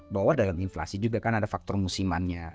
bahwa dalam inflasi juga kan ada faktor musimannya